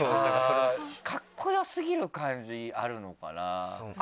カッコ良すぎる感じあるのかな？